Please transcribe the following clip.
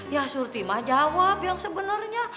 ya surti mah jawab yang sebenarnya